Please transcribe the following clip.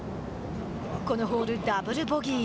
このホール、ダブルボギー。